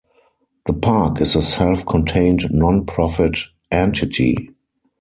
The park is a self-contained non-profit entity.